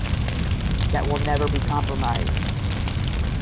That will never be compromised.